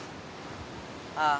ああ。